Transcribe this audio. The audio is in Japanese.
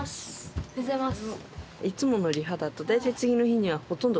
おはようございます。